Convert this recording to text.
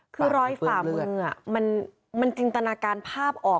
คือรอยฝ่ามือมันจินตนาการภาพออก